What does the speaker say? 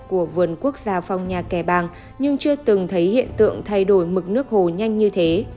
của vườn quốc gia phong nha kẻ bàng nhưng chưa từng thấy hiện tượng thay đổi mực nước hồ nhanh như thế